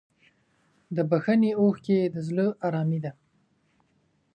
د بښنې اوښکې د زړه ارامي ده.